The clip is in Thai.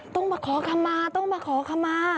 ต้องมาขอคำมาต้องมาขอคำมา